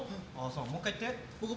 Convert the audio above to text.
もう１回言って。